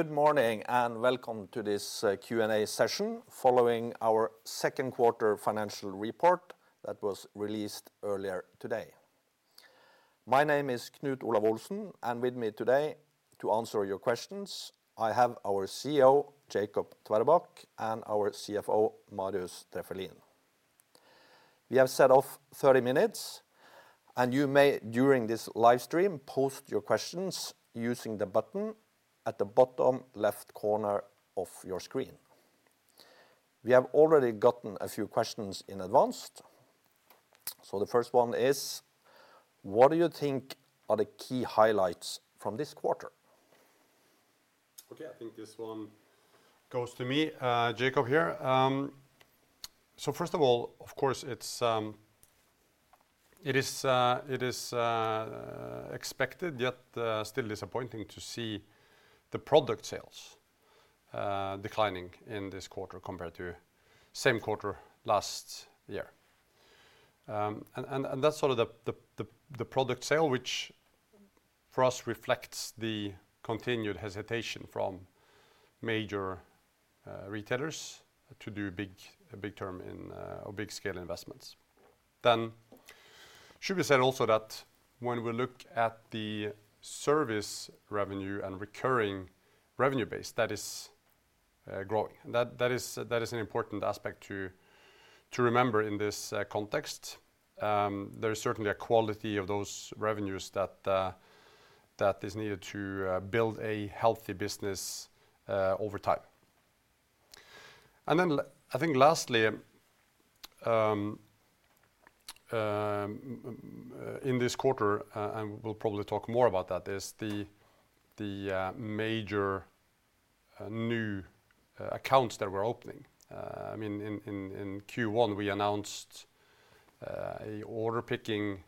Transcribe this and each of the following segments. Good morning, and welcome to this Q&A session following our second quarter financial report that was released earlier today. My name is Knut Olav Olsen, and with me today to answer your questions, I have our CEO, Jacob Tveraabak, and our CFO, Marius Drefvelin. We have set off 30 minutes, and you may, during this live stream, post your questions using the button at the bottom left corner of your screen. We have already gotten a few questions in advance. So the first one is: what do you think are the key highlights from this quarter? Okay, I think this one goes to me. Jacob here. So first of all, of course, it is expected, yet still disappointing to see the product sales declining in this quarter compared to same quarter last year. And that's sort of the product sale, which for us reflects the continued hesitation from major retailers to do big term in or big-scale investments. Then should be said also that when we look at the service revenue and recurring revenue base, that is growing. That is an important aspect to remember in this context. There is certainly a quality of those revenues that is needed to build a healthy business over time. And then I think lastly, in this quarter, and we'll probably talk more about that, is the major new accounts that we're opening. I mean, in Q1, we announced an order picking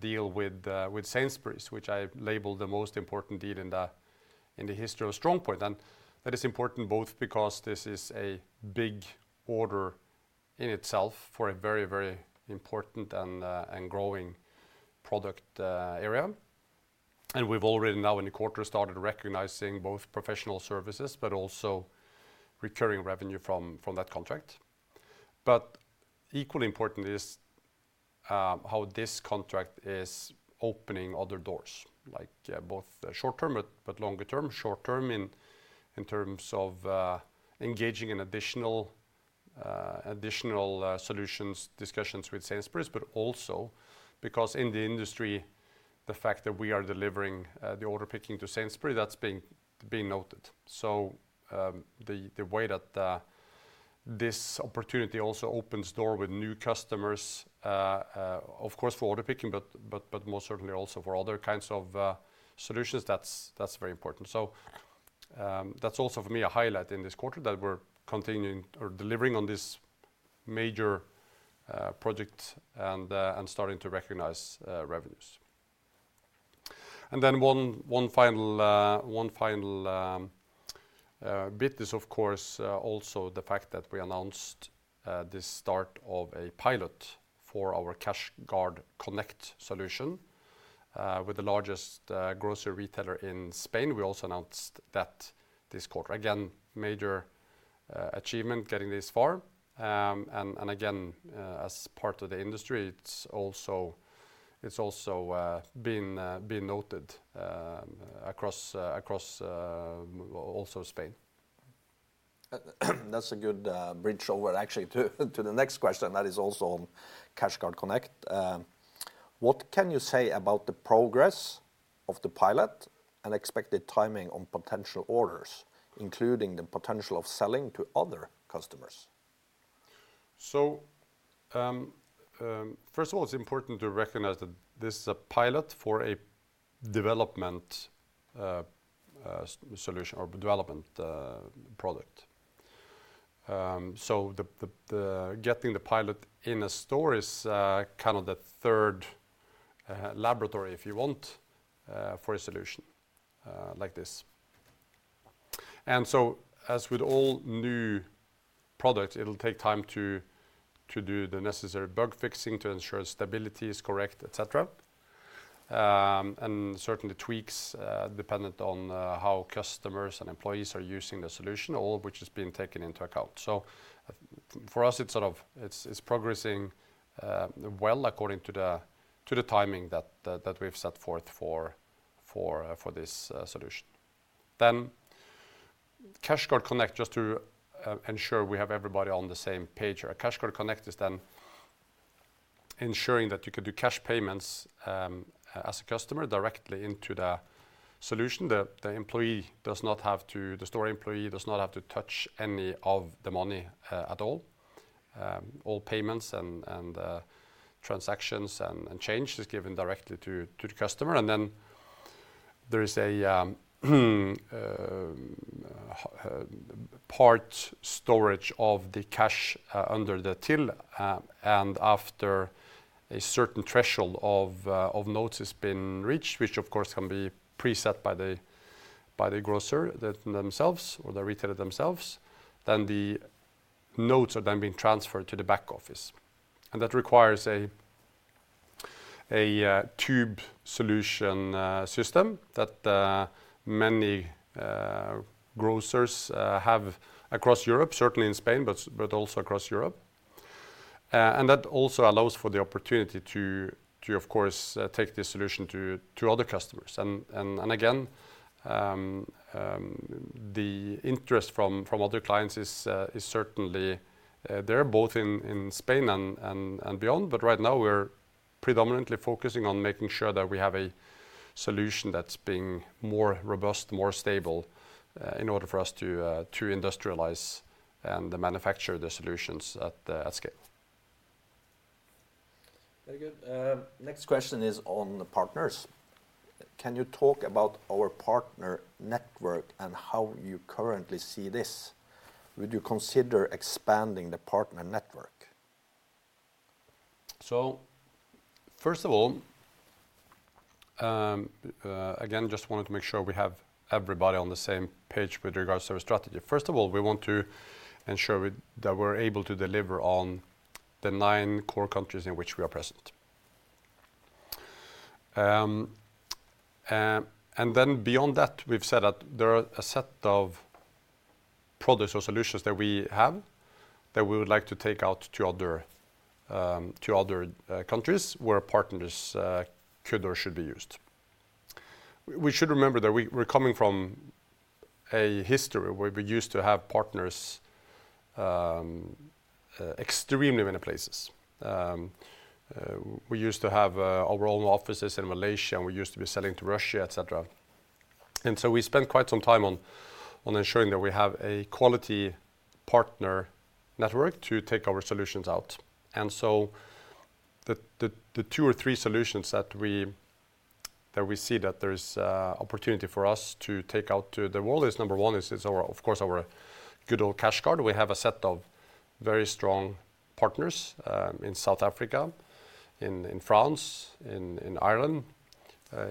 deal with Sainsbury's, which I labeled the most important deal in the history of StrongPoint. And that is important both because this is a big order in itself for a very, very important and growing product area. And we've already now in the quarter started recognizing both professional services, but also recurring revenue from that contract. But equally important is how this contract is opening other doors, like both short-term but longer term. Short-term in terms of engaging in additional solutions discussions with Sainsbury's, but also because in the industry, the fact that we are delivering the order picking to Sainsbury, that's being noted. So, the way that this opportunity also opens door with new customers, of course, for order picking, but most certainly also for other kinds of solutions, that's very important. So, that's also for me, a highlight in this quarter, that we're continuing or delivering on this major project and starting to recognize revenues. And then one final bit is, of course, also the fact that we announced the start of a pilot for our CashGuard Connect solution with the largest grocery retailer in Spain. We also announced that this quarter. Again, major achievement getting this far. And again, as part of the industry, it's also been noted across also Spain. That's a good bridge over actually to the next question, that is also on CashGuard Connect. What can you say about the progress of the pilot and expected timing on potential orders, including the potential of selling to other customers? So, first of all, it's important to recognize that this is a pilot for a development solution or development product. So getting the pilot in a store is kind of the third laboratory, if you want, for a solution like this. And so, as with all new products, it'll take time to do the necessary bug fixing to ensure stability is correct, et cetera. And certainly tweaks dependent on how customers and employees are using the solution, all of which is being taken into account. So for us, it's sort of progressing well according to the timing that we've set forth for this solution. Then CashGuard Connect, just to ensure we have everybody on the same page. CashGuard Connect is then ensuring that you can do cash payments, as a customer directly into the solution. The store employee does not have to touch any of the money at all. All payments and transactions and change is given directly to the customer. And then there is a part storage of the cash under the till, and after a certain threshold of notes has been reached, which of course can be preset by the grocer themselves or the retailer themselves, then the notes are then being transferred to the back office. And that requires a tube solution system that many grocers have across Europe, certainly in Spain, but also across Europe. And that also allows for the opportunity to, of course, take this solution to other customers. And again, the interest from other clients is certainly there, both in Spain and beyond. But right now we're predominantly focusing on making sure that we have a solution that's being more robust, more stable, in order for us to industrialize and manufacture the solutions at scale. Very good. Next question is on the partners. Can you talk about our partner network and how you currently see this? Would you consider expanding the partner network? So first of all, again, just wanted to make sure we have everybody on the same page with regards to our strategy. First of all, we want to ensure that we're able to deliver on the nine core countries in which we are present. And then beyond that, we've said that there are a set of products or solutions that we have, that we would like to take out to other countries, where partners could or should be used. We should remember that we're coming from a history where we used to have partners extremely many places. We used to have our own offices in Malaysia, and we used to be selling to Russia, et cetera. So we spent quite some time on ensuring that we have a quality partner network to take our solutions out. So the two or three solutions that we see that there's opportunity for us to take out to the world is number one, our, of course, our good old CashGuard. We have a set of very strong partners in South Africa, in France, in Ireland,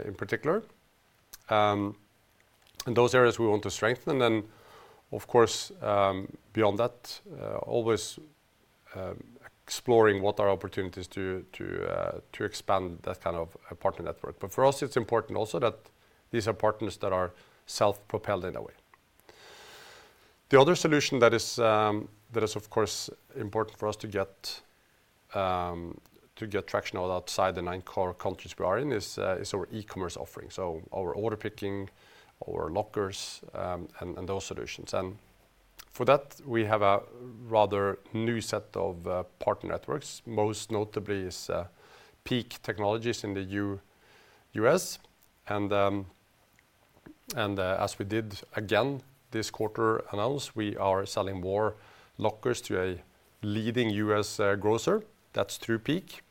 in particular. In those areas, we want to strengthen. And then, of course, beyond that, always exploring what opportunities to expand that kind of a partner network. But for us, it's important also that these are partners that are self-propelled in a way. The other solution that is, that is, of course, important for us to get, to get traction outside the nine core countries we are in, is our e-commerce offering. So our order picking, our lockers, and those solutions. And for that, we have a rather new set of partner networks. Most notably is Peak Technologies in the U.S. And, as we did again this quarter announce, we are selling more lockers to a leading U.S. grocer. That's through Peak.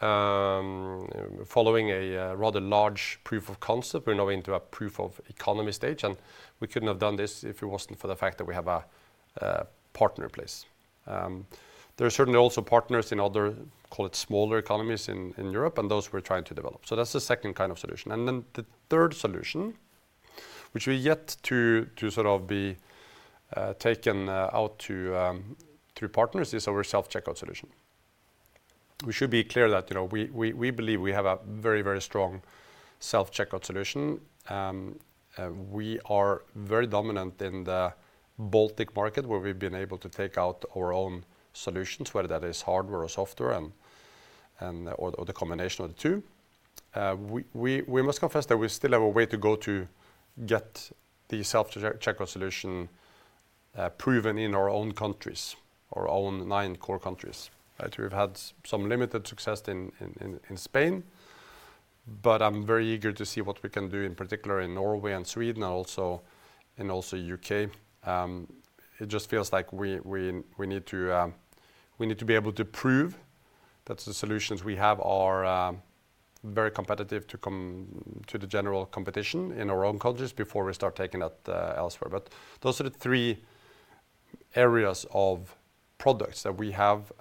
Following a rather large proof of concept, we're now into a proof of economy stage, and we couldn't have done this if it wasn't for the fact that we have a partner in place. There are certainly also partners in other, call it, smaller economies in Europe, and those we're trying to develop. So that's the second kind of solution. And then the third solution, which we're yet to sort of be taken out to through partners, is our self-checkout solution. We should be clear that, you know, we believe we have a very, very strong self-checkout solution. We are very dominant in the Baltic Market, where we've been able to take out our own solutions, whether that is hardware or software, and or the combination of the two. We must confess that we still have a way to go to get the self-checkout solution proven in our own countries, our own nine core countries, right? We've had some limited success in Spain, but I'm very eager to see what we can do, in particular, in Norway and Sweden, and also in U.K. It just feels like we need to be able to prove that the solutions we have are very competitive to the general competition in our own countries before we start taking that elsewhere. But those are the three areas of products that we have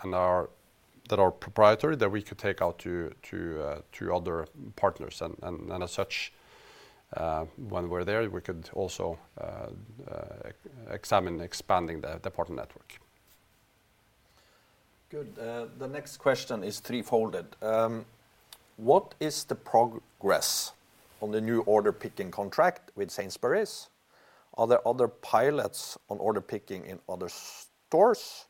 that are proprietary, that we could take out to other partners. As such, when we're there, we could also examine expanding the partner network. Good. The next question is threefold. What is the progress on the new order picking contract with Sainsbury's? Are there other pilots on order picking in other stores,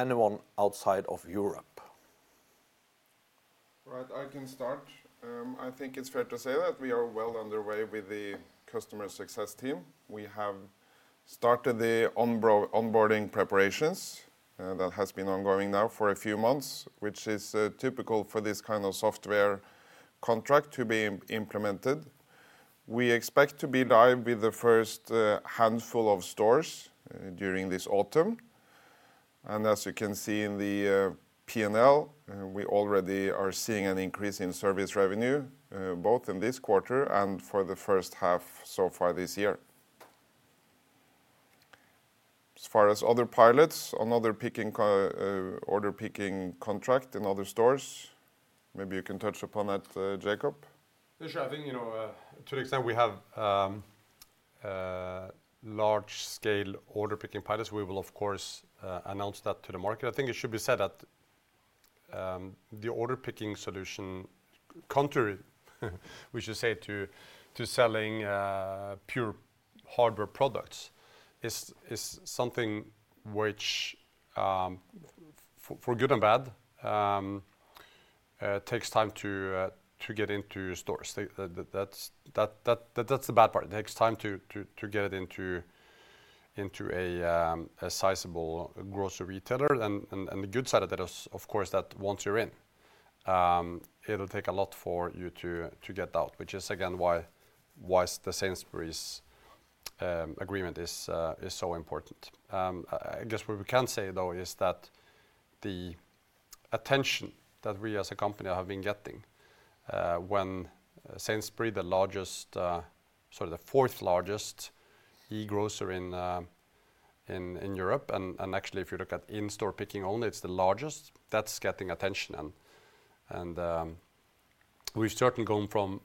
anyone outside of Europe? Right. I can start. I think it's fair to say that we are well underway with the customer success team. We have started the onboarding preparations, that has been ongoing now for a few months, which is typical for this kind of software contract to be implemented. We expect to be live with the first handful of stores during this autumn. And as you can see in the P&L, we already are seeing an increase in service revenue both in this quarter and for the first half so far this year. As far as other pilots, another order picking contract in other stores, maybe you can touch upon that, Jacob? Yeah, sure. I think, you know, to the extent we have large-scale order picking pilots, we will, of course, announce that to the market. I think it should be said that the order picking solution, contrary, we should say, to selling pure hardware products, is something which, for good and bad, takes time to get into stores. That's the bad part. It takes time to get it into a sizable grocery retailer. And the good side of that is, of course, that once you're in, it'll take a lot for you to get out, which is again why the Sainsbury's agreement is so important. I guess what we can say, though, is that the attention that we as a company have been getting when Sainsbury's, the largest, sorry, the fourth largest e-grocer in Europe, and actually if you look at in-store picking only, it's the largest, that's getting attention. We've certainly gone from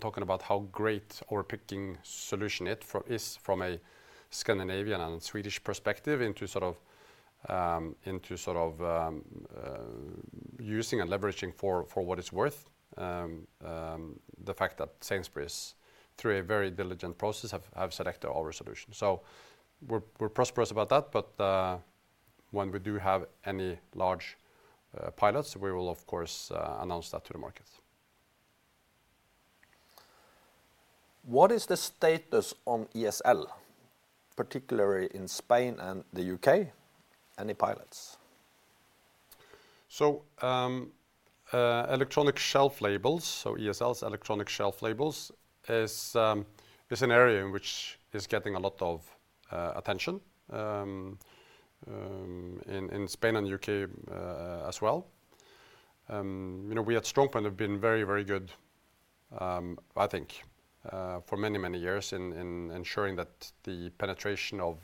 talking about how great our picking solution is from a Scandinavian and Swedish perspective into sort of using and leveraging for what it's worth the fact that Sainsbury's, through a very diligent process, have selected our solution. So we're prosperous about that, but when we do have any large pilots, we will of course announce that to the market. What is the status on ESL, particularly in Spain and the U.K.? Any pilots? So, electronic shelf labels, so ESLs, electronic shelf labels, is an area in which is getting a lot of attention in Spain and U.K., as well. You know, we at StrongPoint have been very, very good, I think, for many, many years in ensuring that the penetration of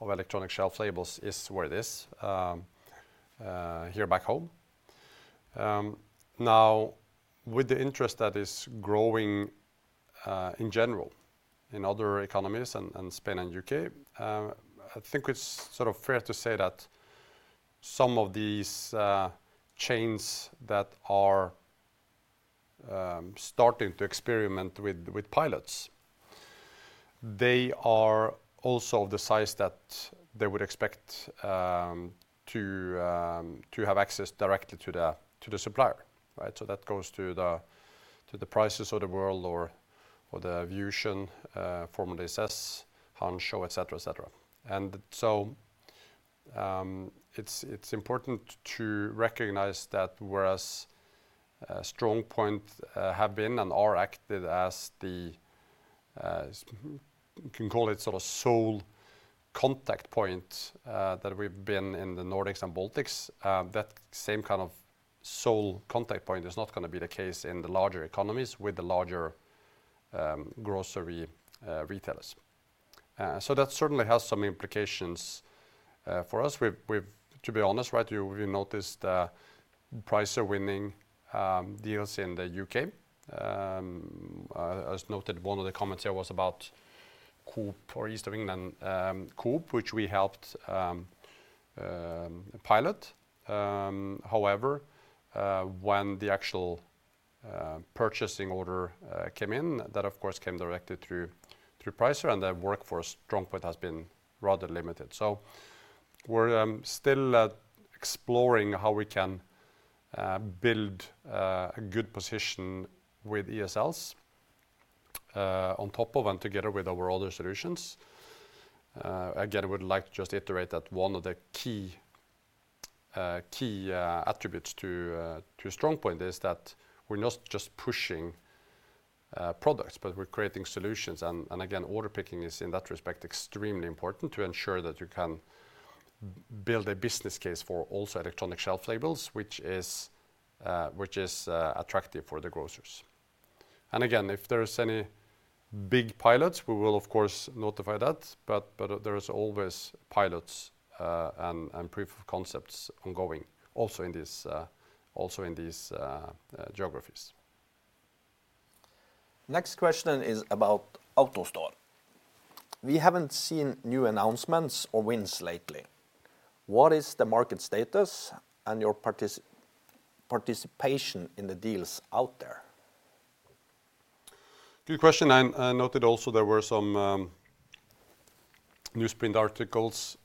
electronic shelf labels is where it is here back home. Now, with the interest that is growing in general in other economies and Spain and U.K., I think it's sort of fair to say that some of these chains that are starting to experiment with pilots, they are also the size that they would expect to have access directly to the supplier, right? So that goes to the Pricer of the world or the Vusion, formerly SES, Hanshow, et cetera, et cetera. And so, it's important to recognize that whereas StrongPoint have been and are acted as the, you can call it sort of sole contact point that we've been in the Nordics and Baltics, that same kind of sole contact point is not gonna be the case in the larger economies with the larger grocery retailers. So that certainly has some implications for us. We've to be honest, right, you we noticed Pricer winning deals in the U.K. As noted, one of the comments here was about Co-op or East of England Co-op, which we helped pilot. However, when the actual purchasing order came in, that of course came directly through, through Pricer, and the workforce StrongPoint has been rather limited. So we're still exploring how we can build a good position with ESLs on top of and together with our other solutions. Again, I would like to just iterate that one of the key attributes to StrongPoint is that we're not just pushing products, but we're creating solutions. And, and again, order picking is, in that respect, extremely important to ensure that you can build a business case for also electronic shelf labels, which is attractive for the grocers. And again, if there is any big pilots, we will of course notify that, but, but there is always pilots, and, and proof of concepts ongoing also in these, also in these, geographies. Next question is about AutoStore. We haven't seen new announcements or wins lately. What is the market status and your participation in the deals out there? Good question, and I noted also there were some newsprint articles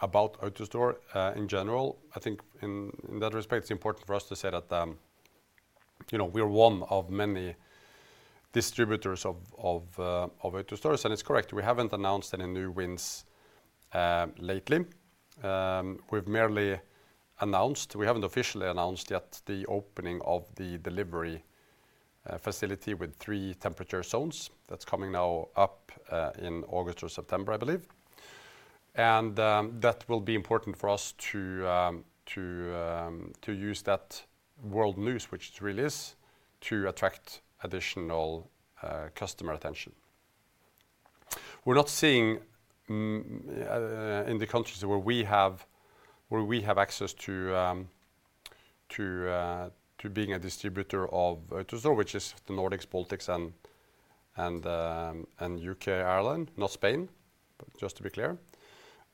about AutoStore in general. I think in that respect, it's important for us to say that, you know, we're one of many distributors of AutoStore. And it's correct, we haven't announced any new wins lately. We've merely announced. We haven't officially announced yet the opening of the delivery facility with three temperature zones. That's coming now up in August or September, I believe. And that will be important for us to use that world news, which it really is, to attract additional customer attention. We're not seeing in the countries where we have access to being a distributor of AutoStore, which is the Nordics, Baltics, and U.K., Ireland, not Spain, just to be clear.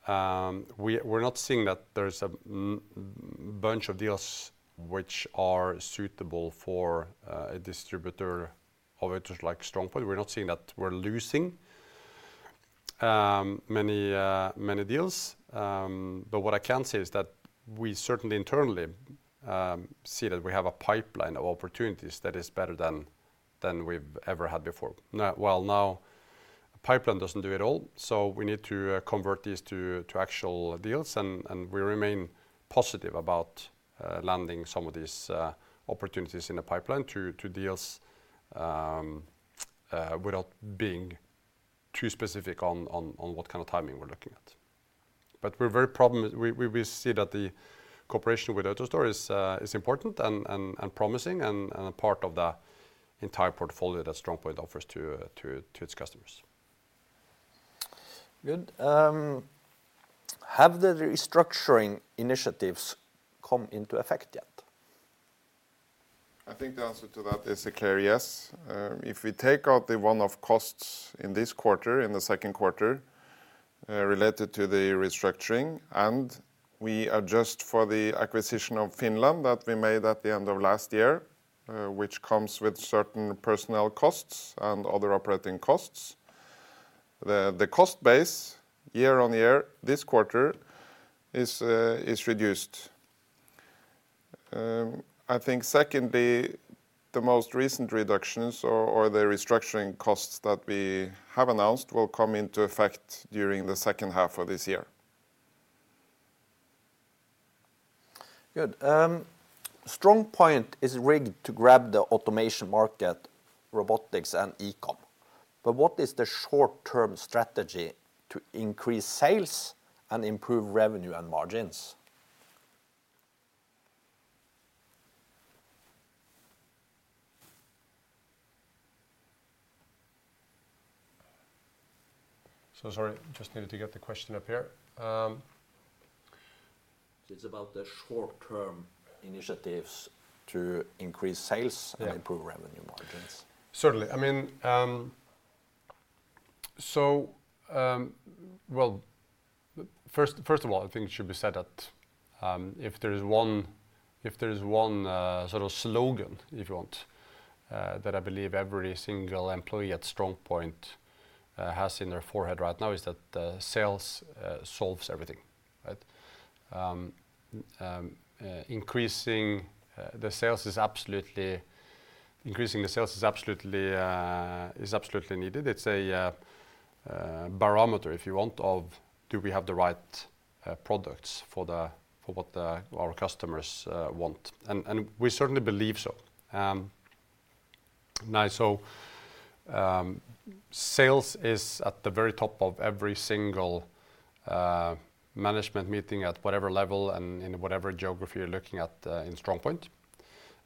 We're not seeing that there's a bunch of deals which are suitable for a distributor of it, just like StrongPoint. We're not seeing that we're losing many deals. But what I can say is that we certainly internally see that we have a pipeline of opportunities that is better than we've ever had before. Well, now, the pipeline doesn't do it all, so we need to convert these to actual deals, and we remain positive about landing some of these opportunities in the pipeline to deals, without being too specific on what kind of timing we're looking at. But we see that the cooperation with AutoStore is important and promising, and a part of the entire portfolio that StrongPoint offers to its customers. Good. Have the restructuring initiatives come into effect yet? I think the answer to that is a clear yes. If we take out the one-off costs in this quarter, in the second quarter, related to the restructuring, and we adjust for the acquisition of Finland that we made at the end of last year, which comes with certain personnel costs and other operating costs, the cost base, year on year, this quarter, is reduced. I think secondly, the most recent reductions or the restructuring costs that we have announced will come into effect during the second half of this year. Good. StrongPoint is rigged to grab the automation market, robotics and e-com. But what is the short-term strategy to increase sales and improve revenue and margins? So sorry, just needed to get the question up here. It's about the short-term initiatives to increase sales- Yeah... and improve revenue margins. Certainly. I mean, so, well, first of all, I think it should be said that if there is one sort of slogan, if you want, that I believe every single employee at StrongPoint has in their forehead right now, is that sales solves everything, right? Increasing the sales is absolutely needed. It's a barometer, if you want, of do we have the right products for what our customers want? And we certainly believe so. Now, so, sales is at the very top of every single management meeting at whatever level and in whatever geography you're looking at in StrongPoint.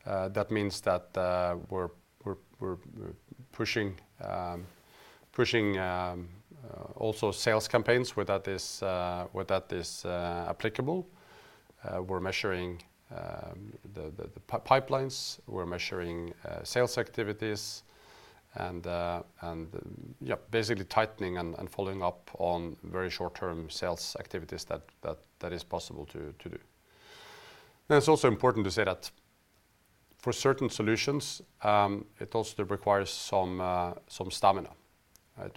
That means that we're pushing also sales campaigns where that is applicable. We're measuring the pipelines, we're measuring sales activities, and yeah, basically tightening and following up on very short-term sales activities that is possible to do. And it's also important to say that for certain solutions, it also requires some stamina, right?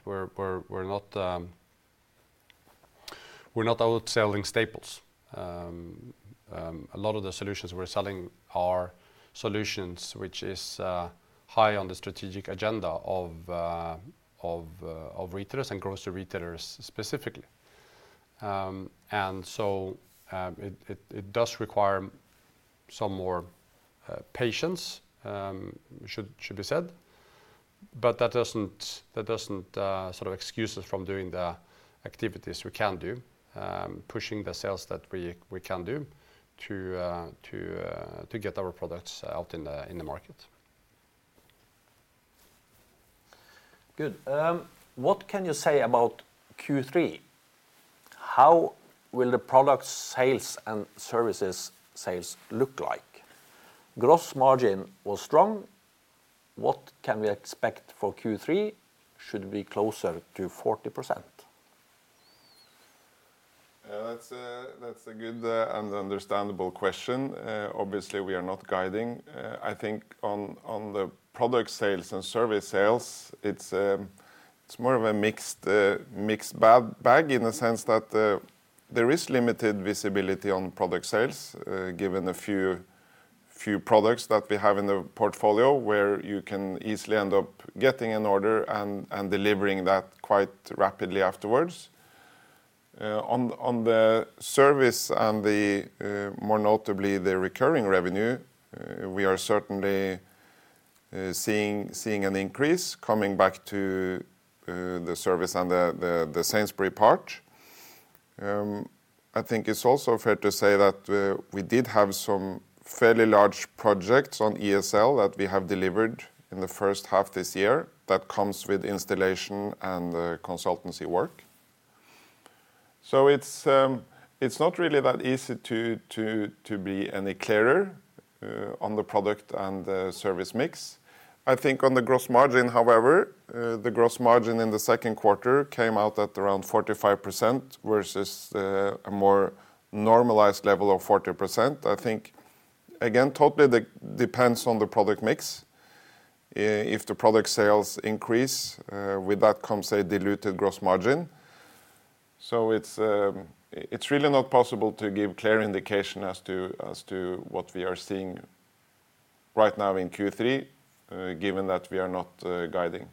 We're not out selling staples. A lot of the solutions we're selling are solutions which is high on the strategic agenda of retailers and grocery retailers, specifically. And so, it does require some more patience. It should be said, but that doesn't sort of excuse us from doing the activities we can do, pushing the sales that we can do to get our products out in the market. Good. What can you say about Q3? How will the product sales and services sales look like? Gross margin was strong. What can we expect for Q3? Should it be closer to 40%? Yeah, that's a good and understandable question. Obviously, we are not guiding. I think on the product sales and service sales, it's more of a mixed bag, in the sense that there is limited visibility on product sales, given the few products that we have in the portfolio, where you can easily end up getting an order and delivering that quite rapidly afterwards. On the service and, more notably, the recurring revenue, we are certainly seeing an increase coming back to the service and the Sainsbury's part.... I think it's also fair to say that, we did have some fairly large projects on ESL that we have delivered in the first half this year, that comes with installation and, consultancy work. So it's, it's not really that easy to, to be any clearer, on the product and the service mix. I think on the gross margin, however, the gross margin in the second quarter came out at around 45%, versus, a more normalized level of 40%. I think, again, totally depends on the product mix. If the product sales increase, with that comes a diluted gross margin. So it's, it's really not possible to give clear indication as to, as to what we are seeing right now in Q3, given that we are not, guiding.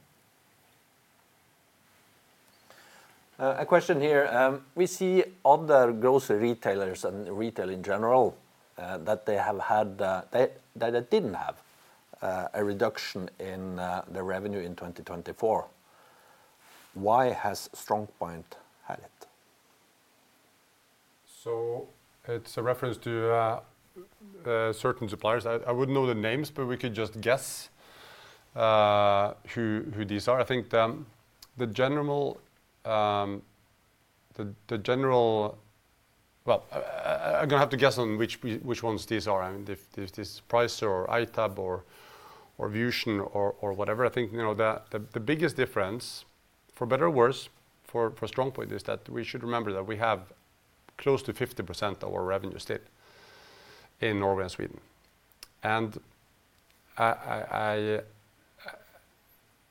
A question here: We see other grocery retailers and retail in general that didn't have a reduction in the revenue in 2024. Why has StrongPoint had it? So it's a reference to certain suppliers. I wouldn't know the names, but we could just guess who these are. I think well, I'm gonna have to guess on which ones these are, I mean, if it's Pricer or ITAB or Vusion or whatever. I think, you know, the biggest difference, for better or worse, for StrongPoint, is that we should remember that we have close to 50% of our revenue still in Norway and Sweden. And I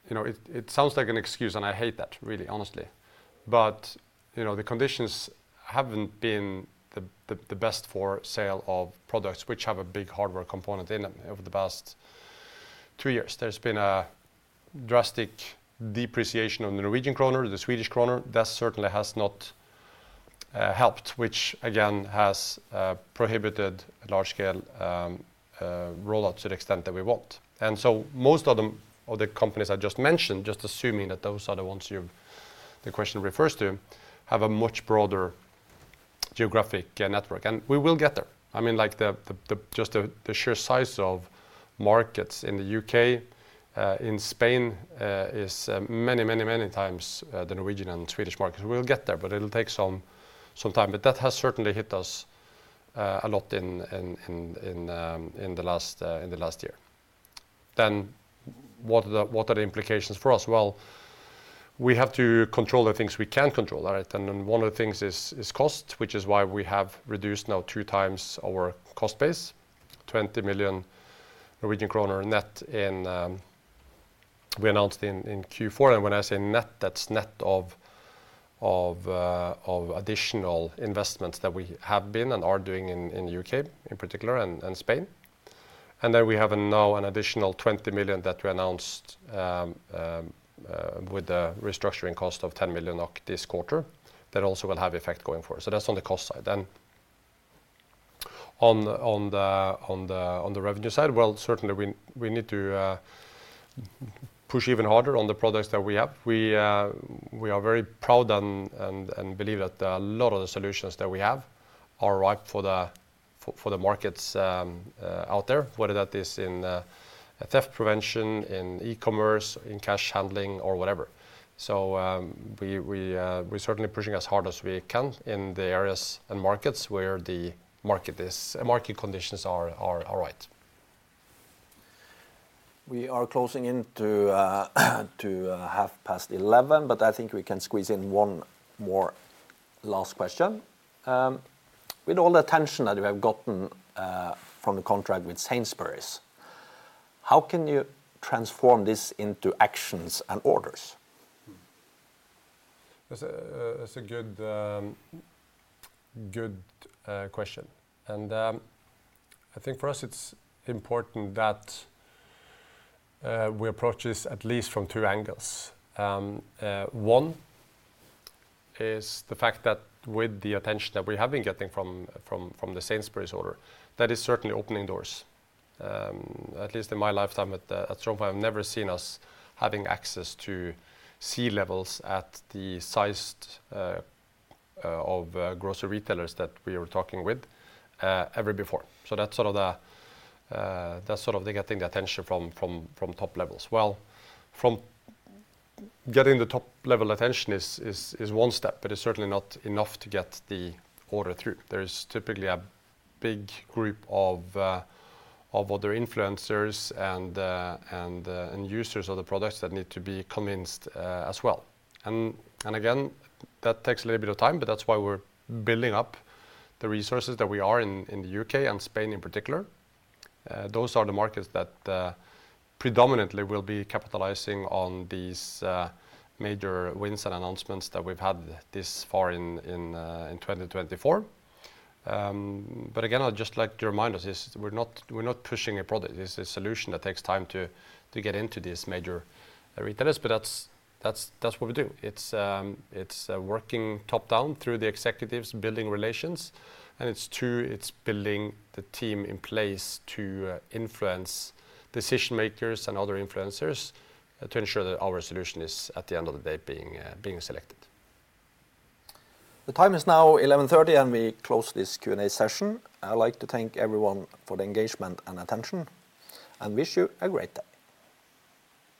you know, it sounds like an excuse, and I hate that, really, honestly, but you know, the conditions haven't been the best for sale of products which have a big hardware component in them over the past two years. There's been a drastic depreciation of the Norwegian kroner, the Swedish kroner, that certainly has not helped, which, again, has prohibited large-scale rollouts to the extent that we want. And so most of the companies I just mentioned, just assuming that those are the ones the question refers to, have a much broader geographic network. And we will get there. I mean, like, just the sheer size of markets in the U.K., in Spain, is many, many, many times the Norwegian and Swedish markets. We'll get there, but it'll take some time. But that has certainly hit us a lot in the last year. Then what are the implications for us? Well, we have to control the things we can control, right? And then one of the things is cost, which is why we have reduced now two times our cost base, 20 million Norwegian kroner net in we announced in Q4. And when I say net, that's net of additional investments that we have been and are doing in the U.K., in particular, and Spain. And then we have now an additional 20 million that we announced with the restructuring cost of 10 million this quarter, that also will have effect going forward. So that's on the cost side. Then on the revenue side, well, certainly, we need to push even harder on the products that we have. We are very proud and believe that a lot of the solutions that we have are right for the markets out there, whether that is in theft prevention, in e-commerce, in cash handling, or whatever. So, we're certainly pushing as hard as we can in the areas and markets where market conditions are all right. We are closing in to 11:30 A.M., but I think we can squeeze in one more last question. With all the attention that you have gotten from the contract with Sainsbury's, how can you transform this into actions and orders? That's a good question. I think for us it's important that we approach this at least from two angles. One is the fact that with the attention that we have been getting from the Sainsbury's order, that is certainly opening doors. At least in my lifetime at StrongPoint, I've never seen us having access to C levels at the size of grocery retailers that we were talking with ever before. So that's sort of the getting the attention from top levels. Well, from... Getting the top-level attention is one step, but it's certainly not enough to get the order through. There's typically a big group of other influencers and users of the products that need to be convinced, as well. And again, that takes a little bit of time, but that's why we're building up the resources that we are in the U.K. and Spain in particular. Those are the markets that predominantly will be capitalizing on these major wins and announcements that we've had this far in 2024. But again, I'd just like to remind us, we're not pushing a product. This is a solution that takes time to get into these major retailers, but that's what we do. It's, it's working top-down through the executives, building relations, and it's true, it's building the team in place to influence decision-makers and other influencers, to ensure that our solution is, at the end of the day, being selected. The time is now 11:30 A.M., and we close this Q&A session. I'd like to thank everyone for the engagement and attention, and wish you a great day.